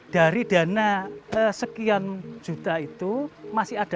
dari dana sekian juta itu masih ada sisa juga